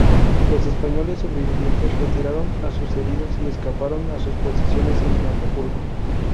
Los españoles sobrevivientes retiraron a sus heridos y escaparon a sus posiciones en Acapulco.